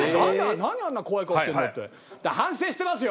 何あんな怖い顔してるのって。